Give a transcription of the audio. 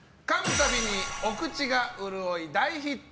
たびにお口が潤い大ヒット。